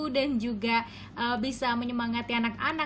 dan juga bisa menyemangati anak anak